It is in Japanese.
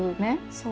そう。